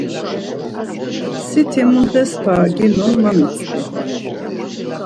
Siti mundes para ginon ma mitzvi.